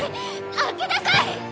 開けなさい！